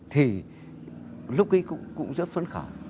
thì lúc ấy cũng rất phấn khảo